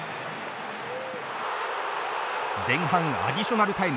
前半アディショナルタイム